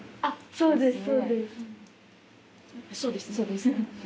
そうですね。